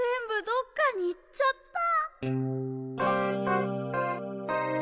どっかにいっちゃった。